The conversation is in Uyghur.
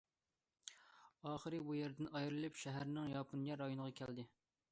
ئاخىرى بۇ يەردىن ئايرىلىپ شەھەرنىڭ ياپونىيە رايونىغا كەلدى.